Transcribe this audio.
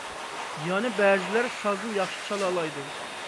يەنە بەزىلەر سازنى ياخشى چالالايدۇ.